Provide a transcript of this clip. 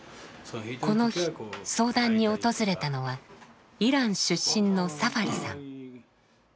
この日相談に訪れたのはイラン出身のサファリさん。